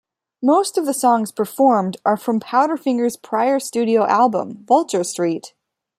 Most of the songs performed are from Powderfinger's prior studio album; "Vulture Street".